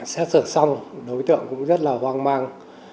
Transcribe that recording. xét xử xong đối tượng cũng rất là hoang mang